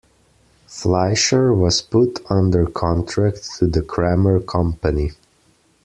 Fleischer was put under contract to the Kramer Company.